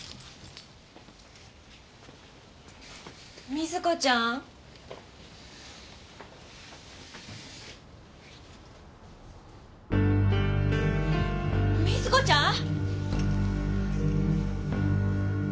瑞子ちゃん？瑞子ちゃん！？